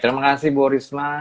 terima kasih bu risma